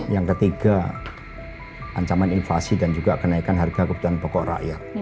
yang ketiga ancaman inflasi dan juga kenaikan harga kebutuhan pokok rakyat